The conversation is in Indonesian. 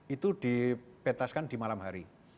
itu dibetaskan di malam hari